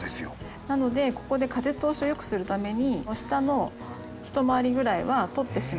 なのでここで風通しを良くするために下の一回りぐらいは取ってしまって大丈夫なんですね。